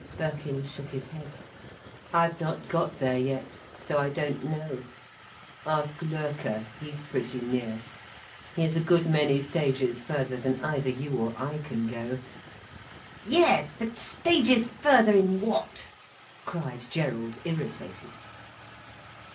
Birkin shook his head. "I've not got there yet, so I don't know. Ask Loerke, he's pretty near. He is a good many stages further than either you or I can go." "Yes, but stages further in what?" cried Gerald, irritated.